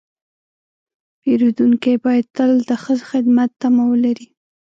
پیرودونکی باید تل د ښه خدمت تمه ولري.